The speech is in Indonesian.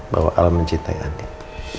bahwa al mencintai andin